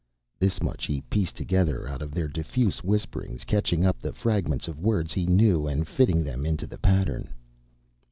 This much he pieced together out of their diffuse whisperings, catching up the fragments of words he knew and fitting them into the pattern.